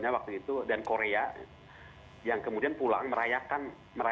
nah beberapa tahun lalu setiap daerah setiap kota setiap provinsi merayakannya sangat semarak